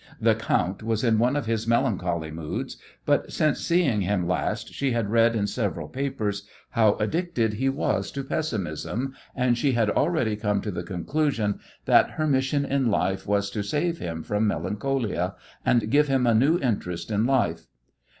The "count" was in one of his melancholy moods, but since seeing him last she had read in several papers how addicted he was to pessimism, and she had already come to the conclusion that her mission in life was to save him from melancholia, and give him a new interest in life.